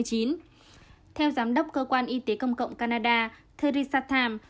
theo giám đốc cơ quan y tế công cộng canada theresa tham